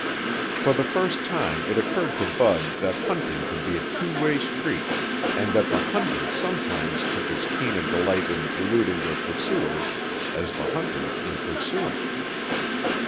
For the first time it occurred to Bud that hunting could be a two way street and that the hunted sometimes took as keen a delight in eluding their pursuers as the hunters in pursuing.